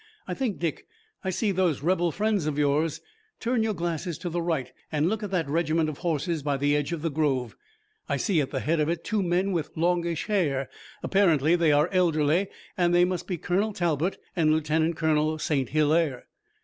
"I think, Dick, I see those rebel friends of yours. Turn your glasses to the right, and look at that regiment of horses by the edge of the grove. I see at the head of it two men with longish hair. Apparently they are elderly, and they must be Colonel Talbot and Lieutenant Colonel St. Hilaire."